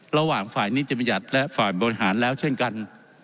ระหว่างฝ่ายนิติบัญญัติและฝ่ายบริหารแล้วเช่นกัน